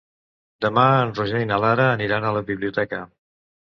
Demà en Roger i na Lara aniran a la biblioteca.